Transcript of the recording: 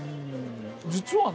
実はね